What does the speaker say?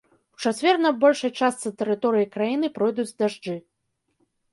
У чацвер на большай частцы тэрыторыі краіны пройдуць дажджы.